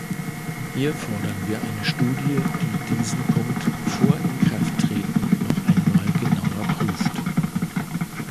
Hier fordern wir eine Studie, die diesen Punkt vor Inkrafttreten noch einmal genauer prüft.